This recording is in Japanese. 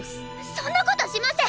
そんなことしません！